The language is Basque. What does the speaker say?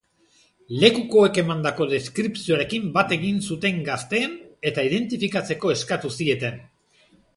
Lekukoek emandako deskripzioarekin bat egin zuten gazteen, eta identifikatzeko eskatu zieten.